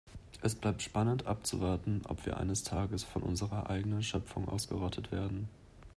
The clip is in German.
Es bleibt spannend abzuwarten, ob wir eines Tages von unserer eigenen Schöpfung ausgerottet werden.